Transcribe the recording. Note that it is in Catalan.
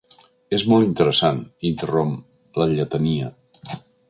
És molt interessant —interromp la lletania—.